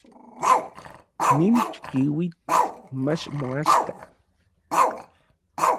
Nin chikiuitl mach moaxka.